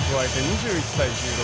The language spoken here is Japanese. ２１対１６。